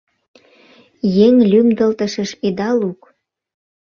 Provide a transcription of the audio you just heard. Еҥ лӱмдылтышыш ида лук.